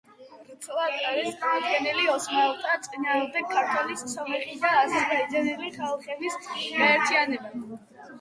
ვრცლად არის წარმოდგენილი ოსმალთა წინააღმდეგ ქართველი, სომეხი და აზერბაიჯანელი ხალხების გაერთიანება.